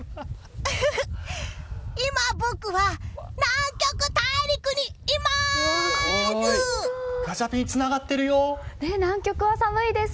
今、僕は南極大陸にいます！